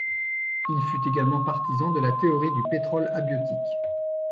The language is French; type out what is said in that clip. Il fut également partisan de la théorie du pétrole abiotique.